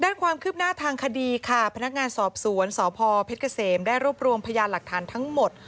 ด้านความคืบหน้าทางคดีค่ะพนักงานสอบสวนสพเพชรเกษมได้รวบรวมพยานหลักฐานทั้งหมด